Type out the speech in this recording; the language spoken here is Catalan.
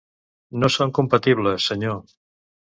No som compatibles, senyor.